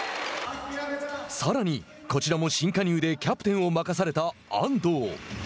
さらに、こちらも新加入でキャプテンを任された安藤。